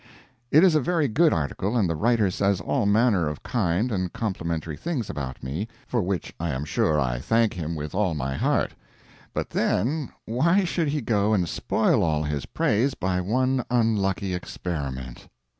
It is a very good article and the writer says all manner of kind and complimentary things about me for which I am sure I thank him with all my heart; but then why should he go and spoil all his praise by one unlucky experiment?